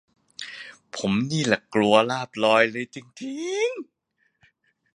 ผมนี่ล่ะกลัวลาบลอย